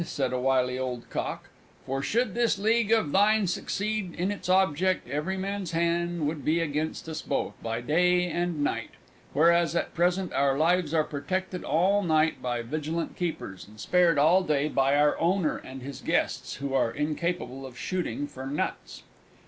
said a wily old Cock, "for, should this League of thine succeed in its object, every man's hand would be against us both by day and night; whereas, at present, our lives are protected all night by vigilant keepers, and spared all day by our owner and his guests, who are incapable of shooting for nuts!"